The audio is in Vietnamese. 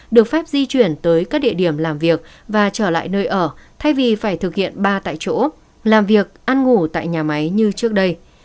được phép di chuyển tới các địa điểm làm việc và trở lại nơi ở thay vì phải thực hiện ba tại chỗ làm việc ăn ngủ tại nhà máy như trước đây